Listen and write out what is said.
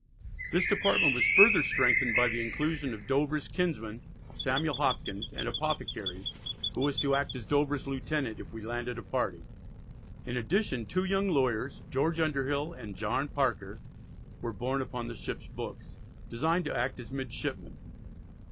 This department was further strengthened by the inclusion of Dover's kinsman, Samuel Hopkins, an Apothecary, who was to act as Dover's lieutenant "if we landed a party." In addition two young lawyers, George Underhill and John Parker, were borne upon the ship's books, "designed to act as midshipmen."